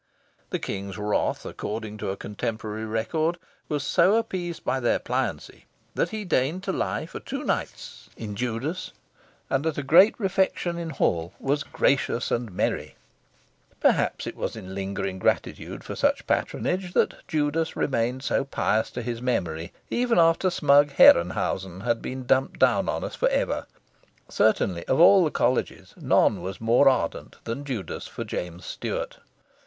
The King's wrath, according to a contemporary record, was so appeased by their pliancy that he deigned to lie for two nights in Judas, and at a grand refection in Hall "was gracious and merrie." Perhaps it was in lingering gratitude for such patronage that Judas remained so pious to his memory even after smug Herrenhausen had been dumped down on us for ever. Certainly, of all the Colleges none was more ardent than Judas for James Stuart.